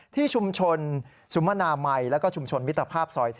ที่ชุมชนสุมนามัยแล้วก็ชุมชนมิตรภาพซอย๔